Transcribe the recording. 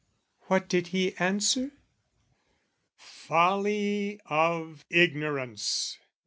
What did he answer? "Folly of ignorance!